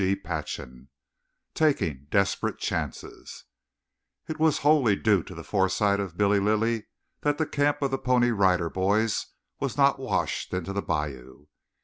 CHAPTER VI TAKING DESPERATE CHANCES It was wholly due to the foresight of Billy Lilly that the camp of the Pony Rider Boys was not washed into the bayou.